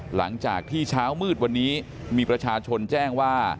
หลังจากที่เช้ามืดวันนี้มีประชาชนแจ้งว่า